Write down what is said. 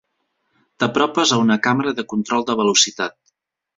T'apropes a una càmera de control de velocitat.